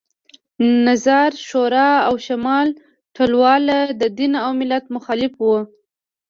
نظار شورا او شمال ټلواله د دین او ملت مخالف وو